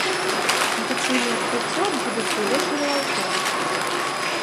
Афіцыйнае адкрыццё адбудзецца ўвечары ў аўторак.